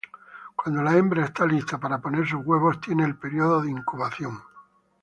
Cuando la hembra esta lista para poner sus huevos viene el periodo de incubación.